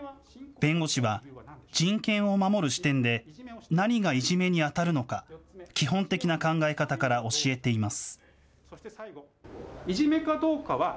弁護士は、人権を守る視点で、何がいじめに当たるのか、基本的な考え方から教えています。